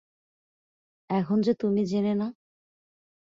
এখন যে তুমি জেনেনা!